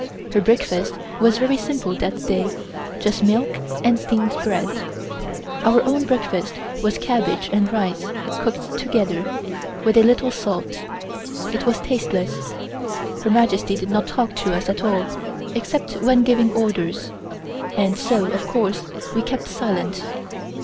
Her breakfast was very simple that day, just milk and steamed bread. Our own breakfast was cabbage and rice cooked together, with a little salt. It was tasteless. Her Majesty did not talk to us at all, except when giving orders, and so, of course, we kept silent.